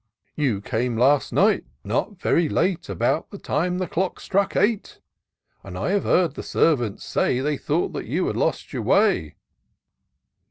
" You came last night, not very late, About the time the clock struck eight ;> And I have heard the servants say. They thought that you had lost your way."